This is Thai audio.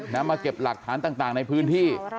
พ่อขออนุญาต